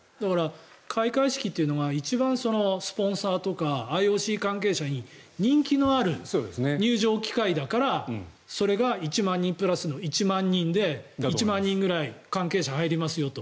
開会式というのが一番、スポンサーとかＩＯＣ関係者に人気のある入場機会だからそれが１万人プラスの１万人で１万人ぐらい関係者が入りますよと。